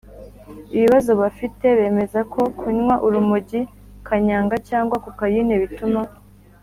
ibibazo bafite. bemeza ko kunywa urumogi, kanyanga cyangwa kokayine bituma